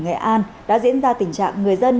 nghệ an đã diễn ra tình trạng người dân